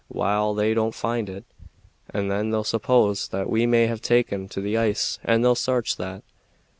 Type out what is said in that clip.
Waal, they won't find it; and then they'll suppose that we may have taken to the ice, and they'll sarch that.